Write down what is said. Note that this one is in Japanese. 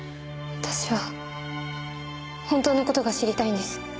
私は本当の事が知りたいんです。